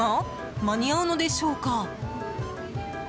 間に合うのでしょうか。